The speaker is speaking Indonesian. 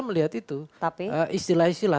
melihat itu istilah istilah